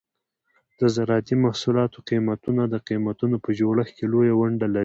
د زراعتي محصولاتو قیمتونه د قیمتونو په جوړښت کې لویه ونډه لري.